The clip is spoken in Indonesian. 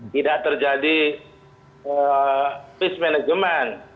tidak terjadi mismanagement